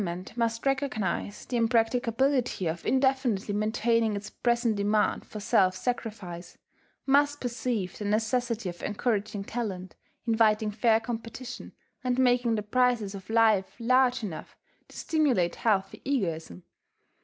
] To many it would seem that a wise government must recognize the impracticability of indefinitely maintaining its present demand for self sacrifice, must perceive the necessity of encouraging talent, inviting fair competition, and making the prizes of life large enough to stimulate healthy egoism.